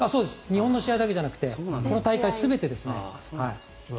日本の試合だけじゃなくてこの大会全てですね。